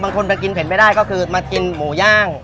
บางทีไปกินเผ็ดไม่ได้ก็คือมากินหมูย่าง